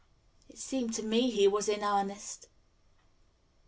"It seemed to me he was in earnest."